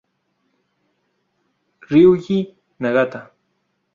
Ryuji Nagata